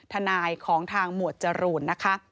ทนายของทางหมวดจรูนนะคะ